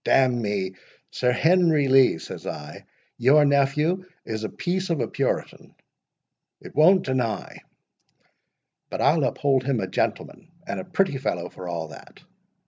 —D—n me, Sir Henry Lee, says I, your nephew is a piece of a Puritan—it won't deny—but I'll uphold him a gentleman and a pretty fellow, for all that.